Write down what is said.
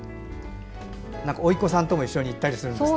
おいっ子さんとも一緒に行ったりするんですって？